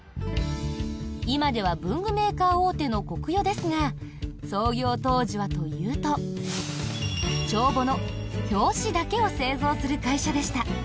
今では文具メーカー大手のコクヨですが創業当時はというと帳簿の表紙だけを製造する会社でした。